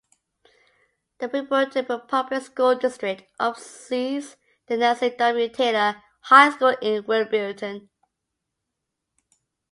The Wilburton Public School District oversees the Nancy W. Taylor High School in Wilburton.